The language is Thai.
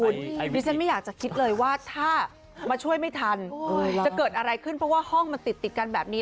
ดิฉันไม่อยากจะคิดเลยว่าถ้ามาช่วยไม่ทันจะเกิดอะไรขึ้นเพราะว่าห้องมันติดติดกันแบบนี้